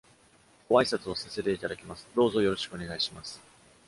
ご挨拶をさせていただきます。どうぞよろしくお願いします。